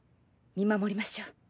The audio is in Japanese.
見守りましょう。